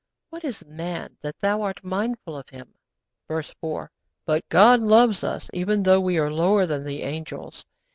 What is man, that Thou art mindful of him?' (Verse 4.) But God loves us even though we are lower than the angels.